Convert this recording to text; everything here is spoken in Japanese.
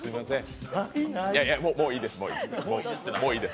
もういいです。